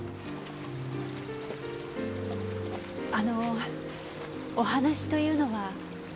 あのお話というのは？